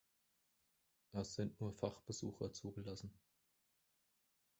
Es sind nur Fachbesucher zugelassen.